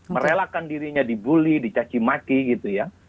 merelakkan dirinya dibully dicaki maki gitu ya